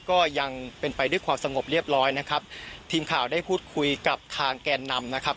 ก็ยังเป็นไปด้วยความสงบเรียบร้อยนะครับทีมข่าวได้พูดคุยกับทางแกนนำนะครับ